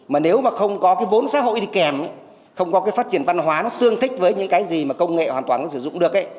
mà nếu mà không có cái vốn xã hội đi kèm không có cái phát triển văn hóa nó tương thích với những cái gì mà công nghệ hoàn toàn nó sử dụng được ấy